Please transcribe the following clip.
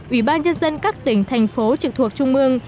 năm ủy ban nhân dân các tỉnh thành phố trực thuộc trung ương